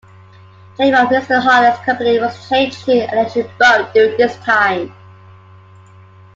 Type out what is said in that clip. The name of Mr. Holland's company was changed to Electric Boat during this time.